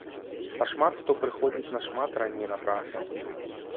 А шмат хто прыходзіць нашмат раней на працу.